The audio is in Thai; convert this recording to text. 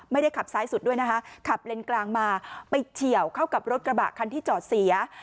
ไม่ได้ขับซ้ายสุดด้วยนะคะขับเลนกลางมาไปเฉียวเข้ากับรถกระบะคันที่จอดเสีย